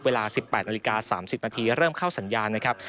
เวลา๑๘นาฬิกา๓๐นาทีเริ่มเข้าสัญญาณนะครับ